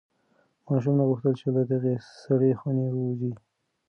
ماشوم نه غوښتل چې له دغې سړې خونې ووځي.